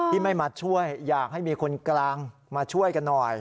ที่ไม่มาช่วยอยากให้มีคนกลางมาช่วยกันหน่อย